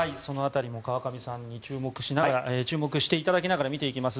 川上さんに注目していただきながら見ていきます。